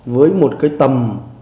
với một cái tầm